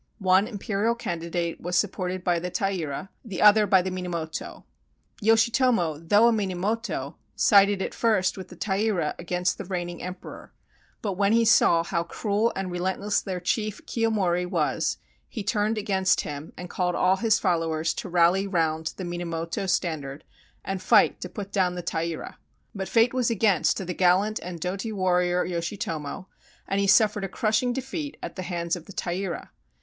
One imperial candidate was supported by the Taira, the other by the Minamoto. Yoshitomo, though a Minamoto, sided at first with the Taira against the reigning emperor; but when he saw how cruel and relentless their chief, Kiyomori, was, he turned against him and called all his followers to rally round the Mina moto standard and fight to put down the Taira. But fate was against the gallant and doughty warrior Yoshitomo, and he suffered a crushing defeat at the hands of the Taira.